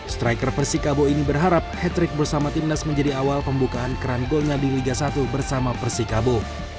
striker persikabo ini berharap hat trick bersama timnas menjadi awal pembukaan keran golnya di liga satu bersama persikabo